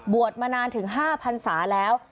มานานถึง๕พันศาแล้ว